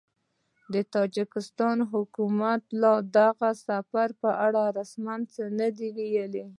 د تاجکستان حکومت لا د دغه سفر په اړه رسماً څه نه دي ویلي